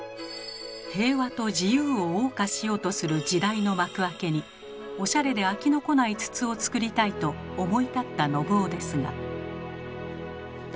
平和と自由を謳歌しようとする時代の幕開けにオシャレで飽きのこない筒を作りたいと思い立った信雄ですが。